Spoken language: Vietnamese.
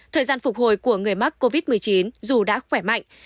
thời gian phục hồi của người mắc covid một mươi chín dù đã khỏe mạnh